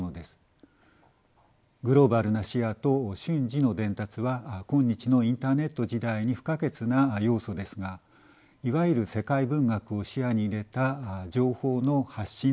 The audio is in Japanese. グローバルな視野と瞬時の伝達は今日のインターネット時代に不可欠な要素ですがいわゆる世界文学を視野に入れた情報の発信と共有の積極的な試みでした。